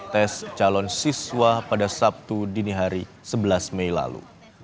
tes calon siswa pada sabtu dini hari sebelas mei lalu